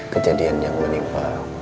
kejadian yang menimpa